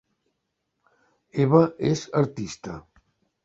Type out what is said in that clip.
Eva és artista